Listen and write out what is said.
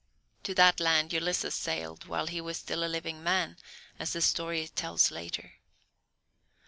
To that land Ulysses sailed while he was still a living man, as the story tells later.